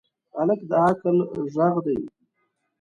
هلک د عقل غږ دی.